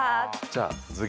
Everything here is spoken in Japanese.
じゃあ次。